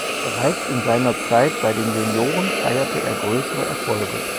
Bereits in seiner Zeit bei den Junioren feierte er größere Erfolge.